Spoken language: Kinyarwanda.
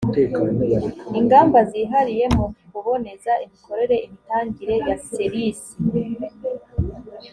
ingamba zihariye mu kuboneza imikorere imitangire ya ser isi